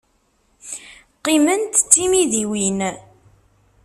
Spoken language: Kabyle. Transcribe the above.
Qqiment d timidiwin.